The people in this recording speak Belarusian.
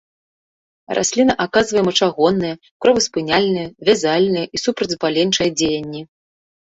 Расліна аказвае мачагоннае, кроваспыняльнае, вязальнае і супрацьзапаленчае дзеянні.